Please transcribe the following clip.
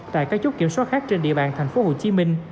tại các chốt kiểm soát khác trên địa bàn thành phố hồ chí minh